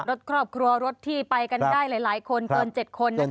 รถครอบครัวรถที่ไปกันได้หลายคนเกิน๗คน